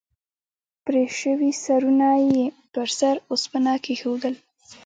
پرې شوي سرونه یې پر سره اوسپنه کېښودل.